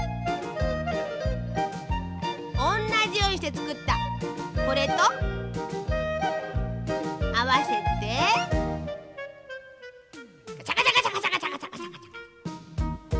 おんなじようにしてつくったこれとあわせてガチャガチャガチャガチャガチャガチャ。